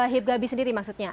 hibgabi sendiri maksudnya